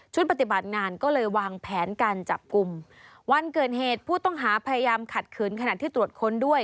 ปฏิบัติงานก็เลยวางแผนการจับกลุ่มวันเกิดเหตุผู้ต้องหาพยายามขัดขืนขณะที่ตรวจค้นด้วย